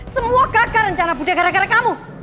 semua gagal rencana budi gara gara kamu